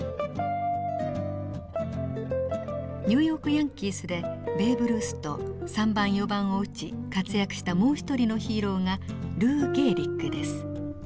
ニューヨーク・ヤンキースでベーブ・ルースと３番４番を打ち活躍したもう一人のヒーローがルー・ゲーリックです。